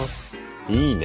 いいね。